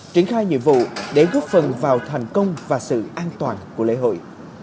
triển khai nhiệm vụ để góp phần vào thành công và sự an toàn của lễ hội